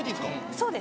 そうです